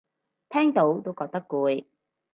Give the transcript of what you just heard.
聽到都覺得攰